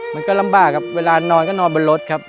มันก็ลำบากครับเวลานอนก็นอนบนรถครับ